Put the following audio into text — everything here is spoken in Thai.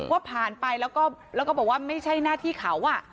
ว่าผ่านไปแล้วแล้วก็บอกว่าไม่ใช่หน้าที่เขา